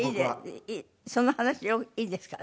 その話いいですから。